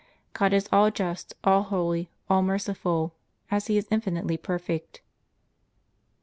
God is all just, all holy, all merciful, as He is infinitely perfect.